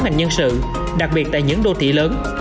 ngành nhân sự đặc biệt tại những đô thị lớn